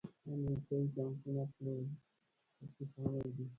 امریکایي ټانکونو پلورل پکې شامل دي.